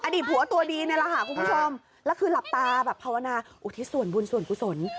ผัวตัวดีนี่แหละค่ะคุณผู้ชมแล้วคือหลับตาแบบภาวนาอุทิศส่วนบุญส่วนกุศล